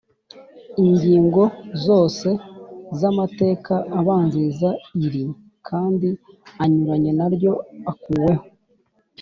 Ingingo zose z amateka abanziriza iri kandi anyuranye naryo akuweho.